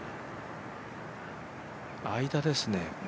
間ですね。